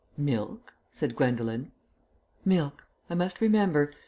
"Milk," said Gwendolen. "Milk; I must remember.